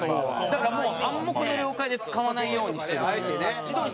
だからもう暗黙の了解で使わないようにしてるというか。